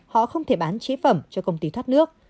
họ không thể bán chế phẩm cho công ty thoát nước